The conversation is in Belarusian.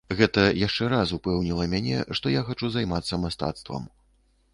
Гэта яшчэ раз упэўніла мяне, што я хачу займацца мастацтвам.